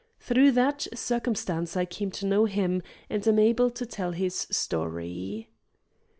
Through that circumstance I came to know him, and am able to tell his story.